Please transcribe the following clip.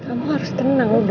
kamu harus tenang